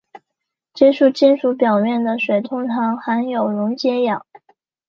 接触金属表面的水通常含有溶解氧。